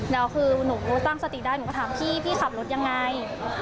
แล้วคือหนูตั้งสติได้หนูก็ถามพี่พี่ขับรถยังไง